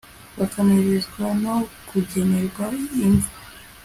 bakanezezwa no kugenerwa imva